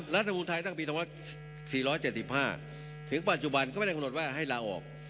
รัฐมนุนไทยตั้งปี๒๔๗๕ถึงปัจจุบันก็ไม่ได้กำหนดว่าให้ลาออก